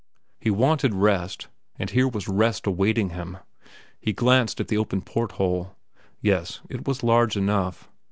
He wanted rest, and here was rest awaiting him. He glanced at the open port hole. Yes, it was large enough.